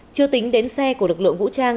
chưa tính đến xe của lực lượng vũ trang